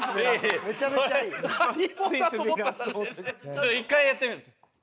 ちょっと１回やってみよう。